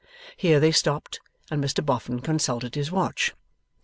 Here they stopped, and Mr Boffin consulted his watch.